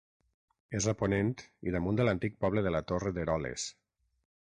És a ponent i damunt de l'antic poble de la Torre d'Eroles.